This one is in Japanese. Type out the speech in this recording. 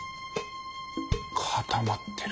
固まってる。